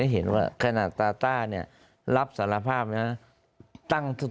เห็นว่าขณะตาต้าเนี่ยรับสารภาพนะ